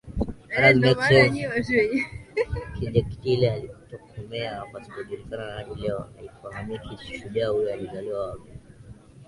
Kinjekitile alitokomea pasipojulikana na hadi leo haifahamiki shujaa huyo alizikwa wapi